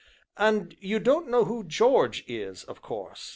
"And you don't know who 'George' is, of course?"